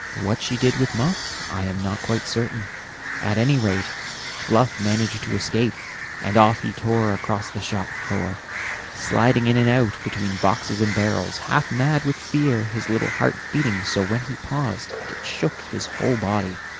What she did with Muff I am not quite certain; at any rate Fluff managed to escape, and off he tore across the shop floor, sliding in and out between boxes and barrels, half mad with fear, his little heart beating so when he paused that it shook his whole body.